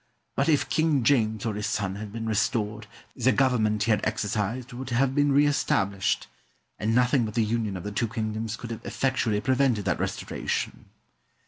But if King James or his son had been restored, the government he had exercised would have been re established, and nothing but the union of the two kingdoms could have effectually prevented that restoration.